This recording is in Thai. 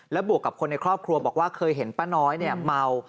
บวกกับคนในครอบครัวบอกว่าเคยเห็นป้าน้อยเมา